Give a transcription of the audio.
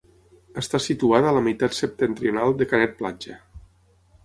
Està situada a la meitat septentrional de Canet Platja.